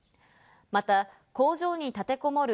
また工場に立てこもる